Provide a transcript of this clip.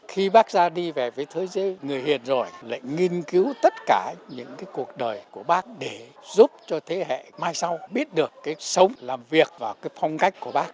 khi bác ra đi về với thế giới người hiền rồi lại nghiên cứu tất cả những cái cuộc đời của bác để giúp cho thế hệ mai sau biết được cái sống làm việc và cái phong cách của bác